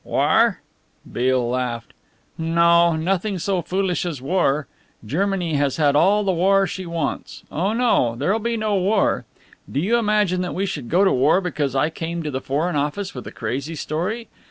"War?" Beale laughed. "No, nothing so foolish as war. Germany has had all the war she wants. Oh no, there'll be no war. Do you imagine that we should go to war because I came to the Foreign Office with a crazy story.